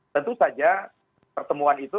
tentu saja pertemuan itu